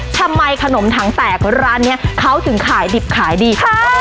ทำไมขนมถังแตกร้านนี้เขาถึงขายดิบขายดี